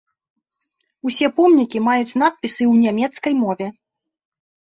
Усе помнікі маюць надпісы ў нямецкай мове.